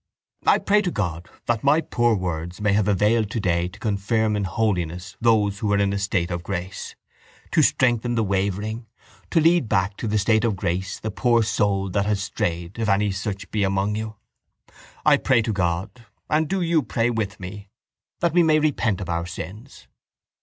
—I pray to God that my poor words may have availed today to confirm in holiness those who are in a state of grace, to strengthen the wavering, to lead back to the state of grace the poor soul that has strayed if any such be among you. I pray to God, and do you pray with me, that we may repent of our sins.